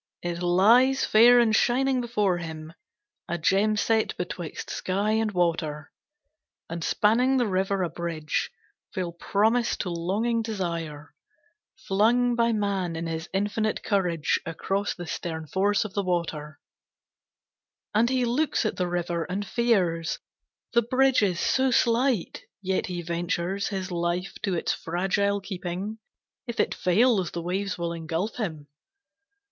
It lies fair and shining before him, a gem set betwixt sky and water, And spanning the river a bridge, frail promise to longing desire, Flung by man in his infinite courage, across the stern force of the water; And he looks at the river and fears, the bridge is so slight, yet he ventures His life to its fragile keeping, if it fails the waves will engulf him.